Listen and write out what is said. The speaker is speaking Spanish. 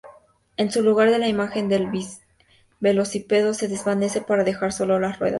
En su lugar, la imagen del velocípedo se desvanece para dejar sólo las ruedas.